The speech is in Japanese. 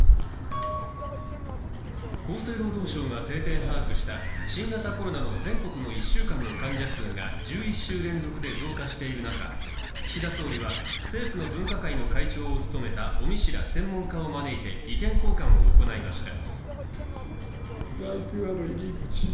厚生労働省が定点把握した新型コロナの全国の１週間の患者数が１１週連続で増加している中、岸田総理は、政府の分科会の会長を務めた尾身氏ら専門家を招いて意見交換を行いました。